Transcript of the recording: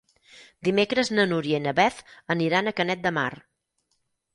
Dimecres na Núria i na Beth aniran a Canet de Mar.